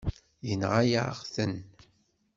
Yenɣa-yaɣ-ten.